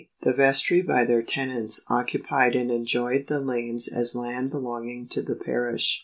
:" The vestry by their tenants occupied and enjoyed the lanes as land belonging to the parish.